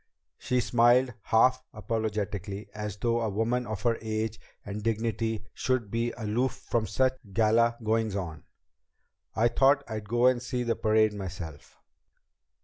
She smiled half apologetically, as though a woman of her age and dignity should be aloof from such gala goings on. "I thought I'd go and see the parade myself."